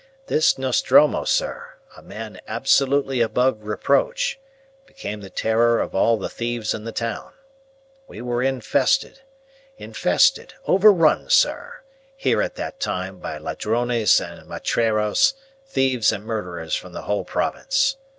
This Nostromo, sir, a man absolutely above reproach, became the terror of all the thieves in the town. We were infested, infested, overrun, sir, here at that time by ladrones and matreros, thieves and murderers from the whole province.